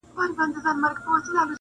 نیکه کیسه کوله-!